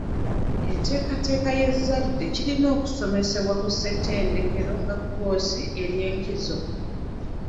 Enteekateeka y'ezzadde kirina okusomesebwa ku ssettendekero nga kkoosi ery'enkizo.